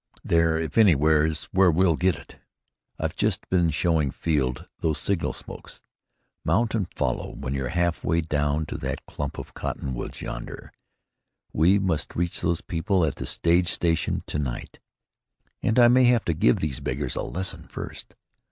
There, if anywhere, is where we'll get it. I've just been showing Field those signal smokes. Mount and follow when we're half way down to that clump of cottonwoods yonder. We must reach those people at the stage station to night, and I may have to give these beggars a lesson first.